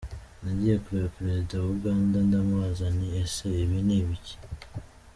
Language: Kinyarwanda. Nagiye kureba Perezida wa Uganda ndamubaza nti ese ibi ni ibiki?